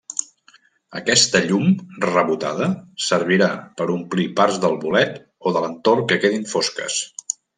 Aquesta llum rebotada servirà per omplir parts del bolet o de l'entorn que quedin fosques.